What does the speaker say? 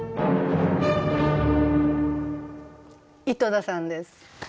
井戸田さんです。